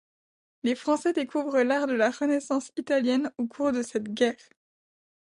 Les Français découvrent l'art de la Renaissance italienne au cours de cette guerre.